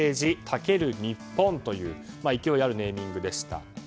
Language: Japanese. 猛る日本！という勢いあるネーミングでした。